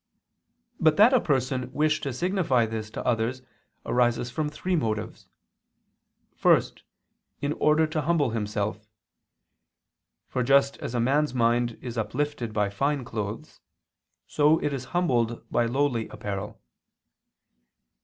But that a person wish to signify this to others arises from three motives. First, in order to humble himself: for just as a man's mind is uplifted by fine clothes, so is it humbled by lowly apparel.